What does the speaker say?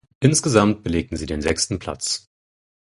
Insgesamt belegten sie den sechsten Platz.